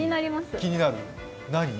気になる、何？